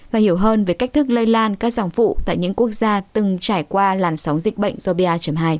và hiểu hơn về cách thức lây lan các dòng phụ tại những quốc gia từng trải qua làn sóng dịch bệnh do ba hai